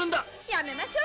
「やめましょう」